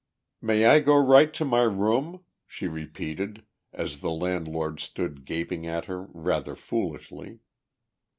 "May I go right to my room?" she repeated as the landlord stood gaping at her rather foolishly.